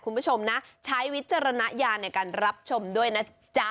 คุณผู้ชมนะใช้วิจารณญาณในการรับชมด้วยนะจ๊ะ